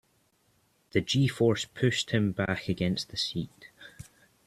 The G-force pushed him back against the seat.